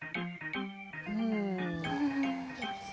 うん。